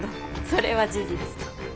それは事実と。